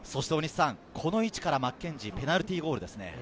この位置からマッケンジー、ペナルティーゴールですね。